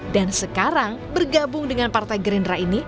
dan sekarang bergabung dengan partai gerindra ini